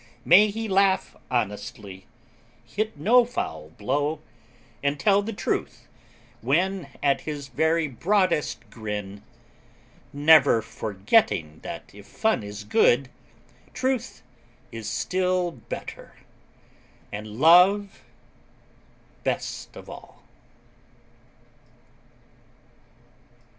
May he laugh honestly, hit no foul blow, and tell the truth when at his very broadest grin never forgetting that if Fun is good, Truth is still better, and Love best of all.